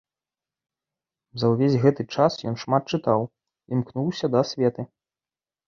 За ўвесь гэты час ён шмат чытаў, імкнуўся да асветы.